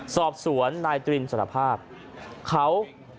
สอบสวนนายตรินเสารภาพก่อเหตุจริง